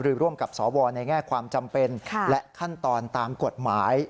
ร่วมกับสวในแง่ความจำเป็นและขั้นตอนตามกฎหมาย